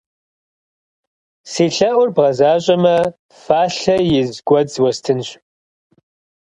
Си лъэӀур бгъэзащӀэмэ фалъэ из гуэдз уэстынщ!